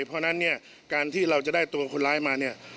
เพราะฉะนั้นการที่เราจะได้ตัวคนร้ายมา